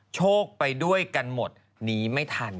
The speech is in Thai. โชคไปด้วยกันหมดหนีไม่ทัน